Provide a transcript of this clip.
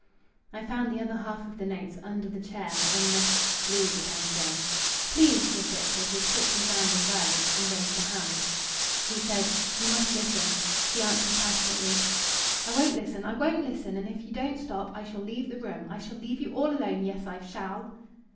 "I found the other half of the notes under the chair on the " Louis began again. "Please!" she objected with quick resounding violence, and raised a hand. He said "You must listen." She answered, passionately "I won't listen! I won't listen! And if you don't stop I shall leave the room! I shall leave you all alone!... Yes, I shall!"